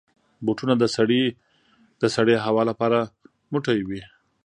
بوټونه د سړې هوا لپاره موټی وي.